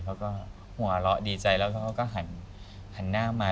เขาก็หัวเราะดีใจแล้วเขาก็หันหน้ามา